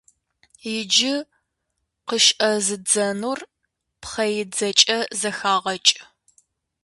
Иджы къыщӀэзыдзэнур пхъэидзэкӀэ зэхагъэкӀ.